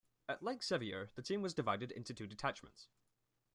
At Lake Sevier, the team was divided into two detachments.